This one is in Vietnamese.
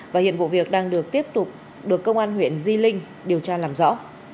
và hiện vụ việc đang được tiếp tục được công an huyện di linh điều tra làm rõ